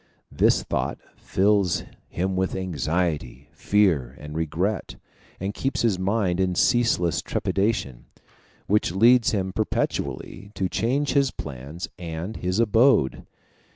This thought fills him with anxiety, fear, and regret, and keeps his mind in ceaseless trepidation, which leads him perpetually to change his plans and his abode.